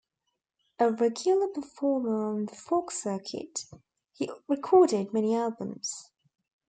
A regular performer on the folk circuit, he recorded many albums.